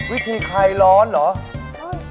วิธีคลายร้อนเหรอ